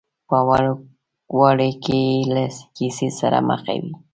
په وړوکوالي کې یې له کیسې سره مخه وه.